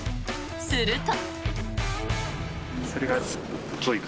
すると。